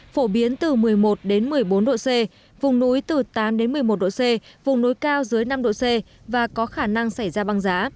phổ biến từ một mươi một một mươi bốn độ c vùng núi từ tám một mươi một độ c vùng núi cao dưới năm độ c và có khả năng xảy ra băng giá